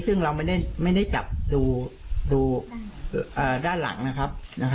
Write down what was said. ซึ่งเราไม่ได้จับดูด้านหลังนะครับ